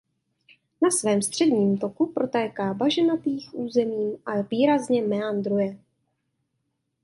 Na svém středním toku protéká bažinatých územím a výrazně meandruje.